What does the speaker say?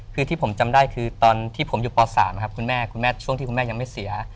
คือที่ผมจำได้คือตอนที่ผมอยู่ป๓ครับคุณแม่คุณแม่ช่วงที่คุณแม่ยังไม่เสีย